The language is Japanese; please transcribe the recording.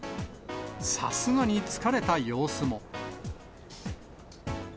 さすがに疲れた様子も。